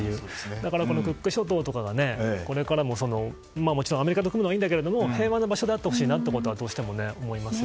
だからクック諸島とかがこれからももちろん、アメリカと組むのはいいんだけど平和な場所であってほしいとどうしても思いますね。